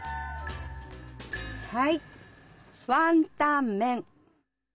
はい「ワンタンメン」！